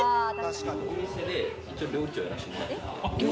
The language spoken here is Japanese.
お店で一応料理長をやらせてもらってます。